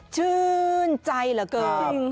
ชื่นใจเหลือเกิน